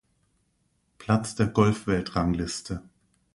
Platz der Golfweltrangliste.